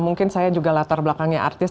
mungkin saya juga latar belakangnya artis